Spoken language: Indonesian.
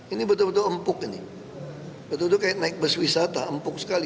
ini betul betul empuk ini betul betul kayak naik bus wisata empuk sekali